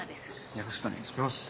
よろしくお願いします。